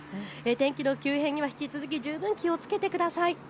天気の急変には引き続き十分気をつけてください。